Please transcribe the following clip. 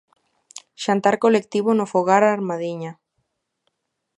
Xantar colectivo no Fogar Armadiña.